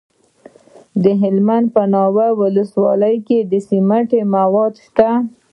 د هلمند په ناوې کې د سمنټو مواد شته.